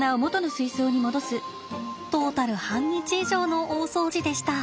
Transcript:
トータル半日以上の大掃除でした。